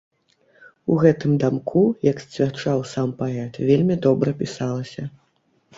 У гэтым дамку, як сцвярджаў сам паэт, вельмі добра пісалася.